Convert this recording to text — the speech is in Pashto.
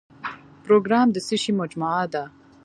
پروګرام د څه شی مجموعه ده؟